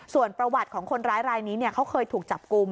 ส่วนประวัติของคนร้ายรายนี้เขาเคยถูกจับกลุ่ม